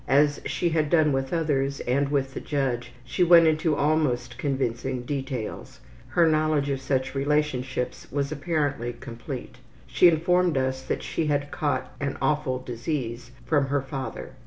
As she had done with others, and with the judge, she went into almost convincing details. Her knowledge of such relationships was apparently complete. She informed us that she had caught ``an awful disease'' from her father.